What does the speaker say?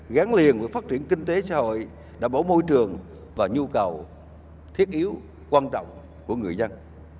gắn liền với phát triển kinh tế xã hội đảm bảo môi trường và nhu cầu thiết yếu quan trọng của người dân